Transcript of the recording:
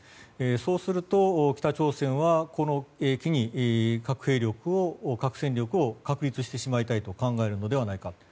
そうすると、北朝鮮はこの機に核戦力を確立してしまいたいと考えるのではないか。